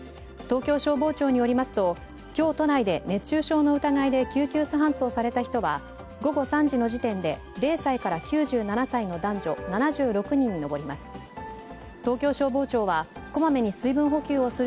東京消防庁によりますと今日、都内で熱中症の疑いで救急搬送された人は午後３時の時点で０歳から９７歳の男女７６人に上ります